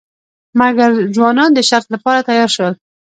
مګر ځوانان د شرط لپاره تیار شول.